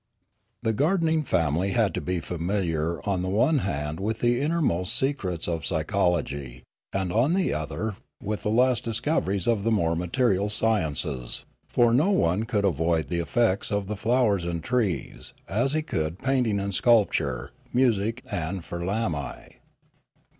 The gardening family had to be familiar on the one hand with the innermost secrets of psychology, and on the other with the last discoveries of the more material sciences; for no one could avoid the effects of the flowers and trees, as he could painting and sculpture, music and firlamai.